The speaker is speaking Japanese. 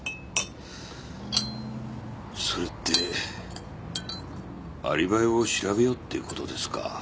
それってアリバイを調べようっていうことですか？